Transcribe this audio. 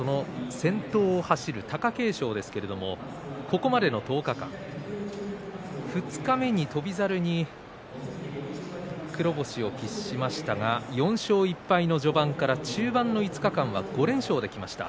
先頭を走る貴景勝ですけれどここまでの１０日間二日目に翔猿に黒星を喫しましたが４勝１敗の序盤から中盤の５日間は５連勝できました。